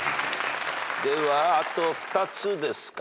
ではあと２つですかね。